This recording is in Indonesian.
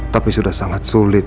tapi sudah sangat sulit